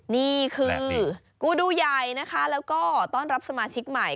นี่คือกูดูใหญ่นะคะแล้วก็ต้อนรับสมาชิกใหม่